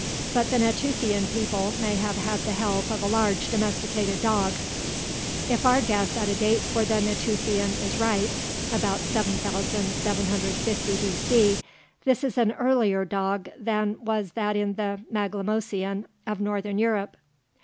But the Natufian people may have had the help of a large domesticated dog. If our guess at a date for the Natufian is right (about 7750 B.C.), this is an earlier dog than was that in the Maglemosian of northern Europe.